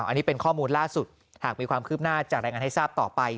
อันนี้เป็นข้อมูลล่าสุดหากมีความคืบหน้าจะรายงานให้ทราบต่อไป